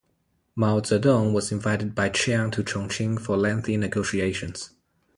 Mao Zedong was invited by Chiang to Chongqing for lengthy negotiations.